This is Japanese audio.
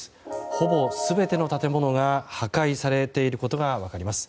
ほぼ全ての建物が破壊されていることが分かります。